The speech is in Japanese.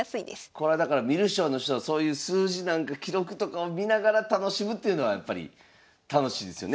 これはだから観る将の人はそういう数字なんか記録とかを見ながら楽しむというのはやっぱり楽しいですよね。